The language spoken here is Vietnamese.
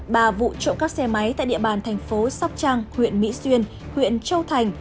và vụ trộm các xe máy tại địa bàn thành phố sóc trăng huyện mỹ xuyên huyện châu thành